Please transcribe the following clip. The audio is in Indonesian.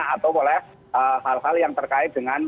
atau oleh hal hal yang terkait dengan